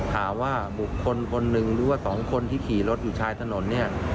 หาว่าบุคคลคนหนึ่งหรือว่าสองคนที่ขี่รถอยู่ชายถนนเนี่ย